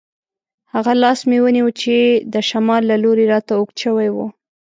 هغه لاس مې ونیو چې د شمال له لوري راته اوږد شوی وو.